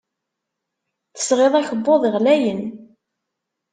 Tesɣiḍ akebbuḍ ɣlayen.